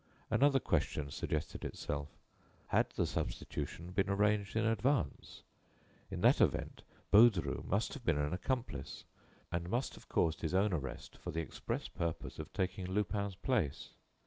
Another question suggested itself: Had the substitution been arranged in advance? In that event Baudru must have been an accomplice and must have caused his own arrest for the express purpose of taking Lupin's place.